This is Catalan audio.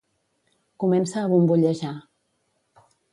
Comença a bombollejar.